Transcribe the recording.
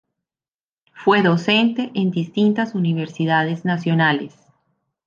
Fue docente en distintas universidades nacionales.